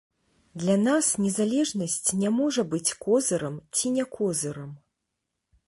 Для нас незалежнасць не можа быць козырам ці не козырам.